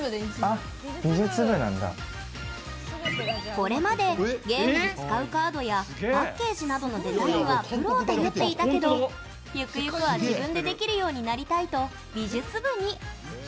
これまでゲームで使うカードやパッケージなどのデザインはプロを頼っていたけどゆくゆくは自分でできるようになりたいと美術部に。